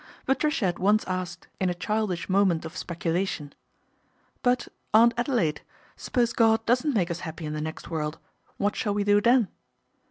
Patricia had once asked, in a childish moment of speculation, " But, Aunt Adelaide, suppose God doesn't make us happy in the next world, what shall we do then